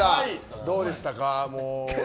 どうでしたか？